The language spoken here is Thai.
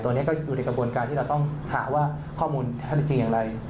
ตรงนี้ก็อยู่ในกระบวนการที่เราต้องหาว่าข้อมูลท่านจริงอย่างไร